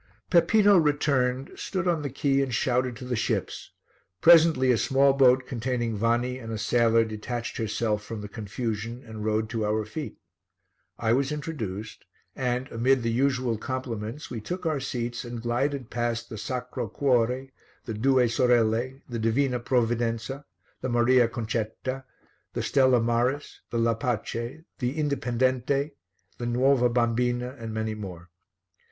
Peppino returned, stood on the quay and shouted to the ships; presently a small boat containing Vanni and a sailor detached herself from the confusion and rowed to our feet. I was introduced and, amid the usual compliments, we took our seats and glided past the Sacro Cuore, the Due Sorelle, the Divina Provvidenza, the Maria Concetta, the Stella Maris, the La Pace, the Indipendente, the Nuova Bambina and many more.